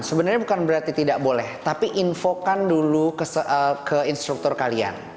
sebenarnya bukan berarti tidak boleh tapi infokan dulu ke instruktur kalian